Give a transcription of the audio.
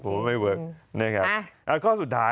โหไม่เวิร์ค